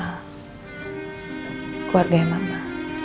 keluarga yang mama